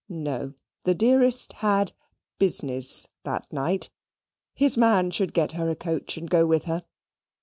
No; the "dearest" had "business" that night. His man should get her a coach and go with her.